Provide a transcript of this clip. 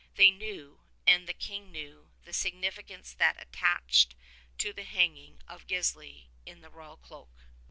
They knew, and the King knew, the significance that attached to the hanging of Gisli in the royal cloak.